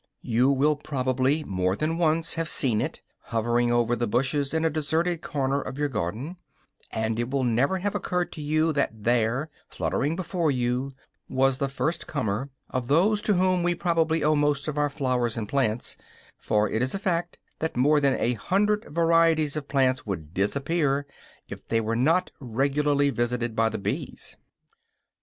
You will probably more than once have seen it, hovering over the bushes in a deserted corner of your garden, and it will never have occurred to you that there, fluttering before you, was the first comer of those to whom we probably owe most of our flowers and plants; for it is a fact that more than a hundred varieties of plants would disappear if they were not regularly visited by the bees.